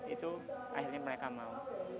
itu akhirnya mereka mau